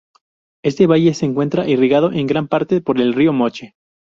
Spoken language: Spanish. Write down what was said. Este valle se encuentra irrigado en gran parte por el río Moche.